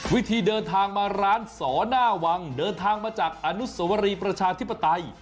วิธีเดินทางมาร้านสอหน้าวังเดินทางมาจากอนุสวรีประชาธิปไตย